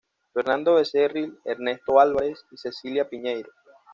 Fernando Becerril, Ernesto Álvarez y Cecilia Piñeiro.